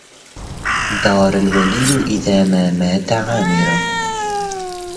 دار الولي إذا ما مات عامرة